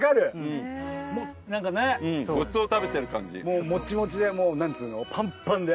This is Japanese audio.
もうモチモチで何つうのパンパンで。